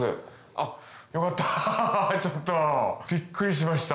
あっよかった！